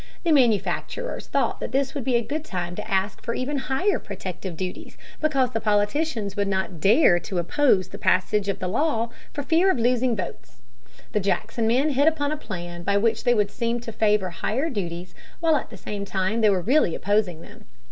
The manufacturers thought that this would be a good time to ask for even higher protective duties, because the politicians would not dare to oppose the passage of the law for fear of losing votes. The Jackson men hit upon a plan by which they would seem to favor higher duties while at the same time they were really opposing them.